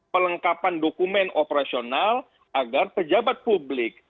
pelengkapan dokumen operasional agar pejabat publik